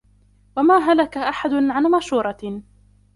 وَمَا هَلَكَ أَحَدٌ عَنْ مَشُورَةٍ